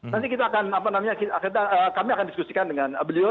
nanti kami akan diskusikan dengan beliau